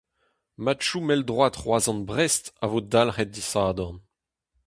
Matchoù mell-droad Roazhon-Brest a vo dalc'het disadorn.